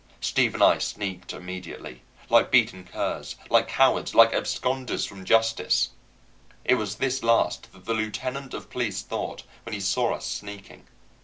Steve and I sneaked immediately, like beaten curs, like cowards, like absconders from justice. It was this last that the lieutenant of police thought when he saw us sneaking.